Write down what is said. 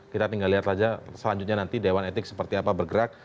kita tinggal lihat saja selanjutnya nanti dewan etik seperti apa bergerak